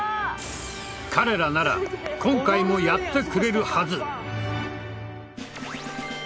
彼らなら今回もやってくれるはず！